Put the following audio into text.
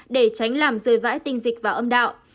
để tránh làm rơi vãi tình dịch và âm đạo